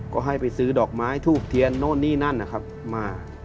ก็ให้ไปซื้อดอกไม้ทูบเทียนโน่นนี่นั่นนะครับมา